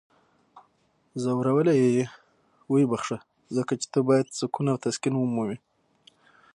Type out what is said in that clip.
ځورولی یی یې؟ ویې بخښه. ځکه چی ته باید سکون او تسکین ومومې!